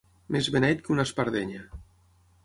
Més beneit que una espardenya.